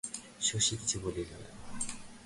শশী কিছু বলিল না।